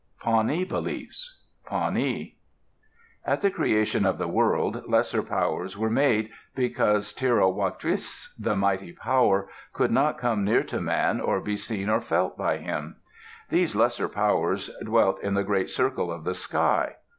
PAWNEE BELIEFS Pawnee At the creation of the world, lesser powers were made, because Tira'wa tius, the Mighty Power, could not come near to man, or be seen or felt by him. These lesser powers dwell in the great circle of the sky.